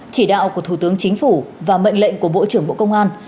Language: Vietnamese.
chỉ đạo của thủ tướng chính phủ và mệnh lệnh của bộ trưởng bộ công an